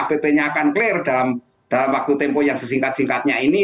pp nya akan clear dalam waktu tempo yang sesingkat singkatnya ini